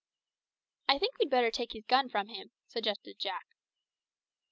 "I think we'd better take his gun from him," suggested Jack.